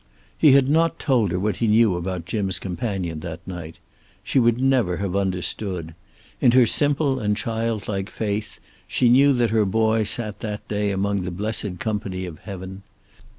He had not told her what he knew about Jim's companion that night. She would never have understood. In her simple and child like faith she knew that her boy sat that day among the blessed company of heaven.